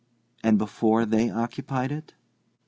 "And before they occupied it?"